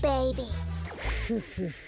フフフ。